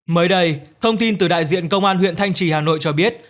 mới đây thông tin từ đại diện công an huyện thanh trì hà nội cho biết